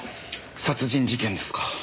殺人事件ですか。